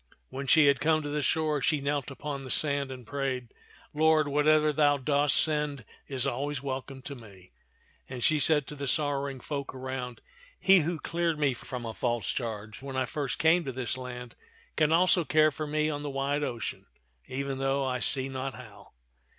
When she had come to the shore, she knelt upon the sand and prayed, Lord, whatever thou dost send is always welcome to me," and she said to the sorrowing folk around, " He who cleared me from a false charge when I first came to this land can also care for me on the wide ocean, even though I see not how.